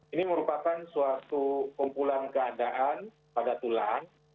ini merupakan suatu kumpulan keadaan pada tulang